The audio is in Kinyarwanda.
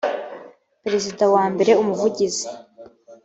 perezida wa mbere umuvugizi